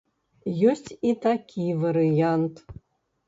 Ёсць і такі варыянт.